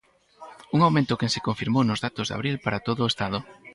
Un aumento que se confirmou nos datos de abril para todo o Estado.